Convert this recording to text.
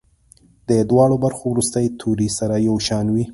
د دواړو برخو وروستي توري سره یو شان وي.